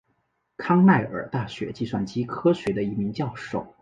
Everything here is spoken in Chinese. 康奈尔大学计算机科学的一名教授。